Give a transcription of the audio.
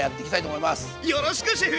よろしくシェフ！